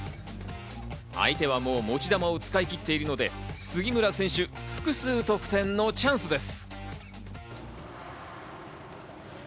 相手はもう持ち球を使いきっているので杉村選手が複数得点のチャンスです。